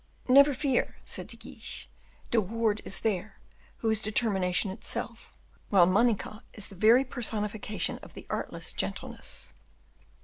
"Never fear," said De Guiche, "De Wardes is there, who is determination itself, while Manicamp is the very personification of the artless gentleness."